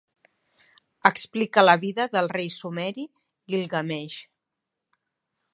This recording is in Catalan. Explica la vida del rei sumeri Guilgameix.